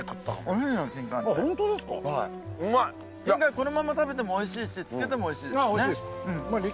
このまま食べてもおいしいし漬けてもおいしいですよね。